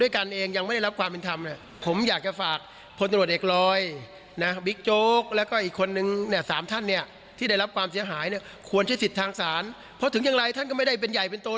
ควรใช้สิทธิ์ทางสารเพราะถึงอย่างไรท่านก็ไม่ได้เป็นใหญ่เป็นตัว